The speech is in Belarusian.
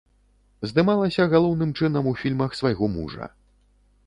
Здымалася галоўным чынам у фільмах свайго мужа.